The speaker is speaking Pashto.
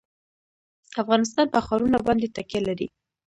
افغانستان په ښارونه باندې تکیه لري.